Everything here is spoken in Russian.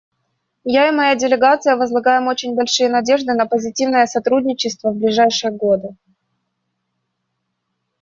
Я и моя делегация возлагаем очень большие надежды на позитивное сотрудничество в ближайшие годы.